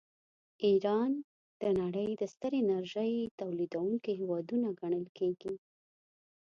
ایران د نړۍ د ستر انرژۍ تولیدونکي هېوادونه ګڼل کیږي.